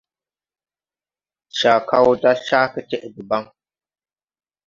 Cakaw da ca getɛʼ debaŋ.